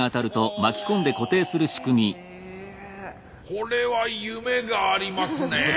これは夢がありますね。